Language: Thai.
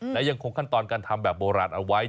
และยังคงขั้นตอนการทำแบบโบราณเอาไว้